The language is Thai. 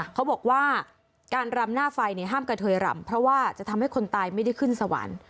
เขาบอกว่าการรำหน้าไฟห้ามกระเทยรำเพราะว่าจะทำให้คนตายไม่ได้ขึ้นสวรรค์